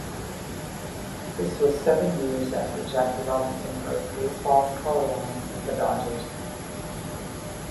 This was seven years after Jackie Robinson broke baseball's color line with the Dodgers.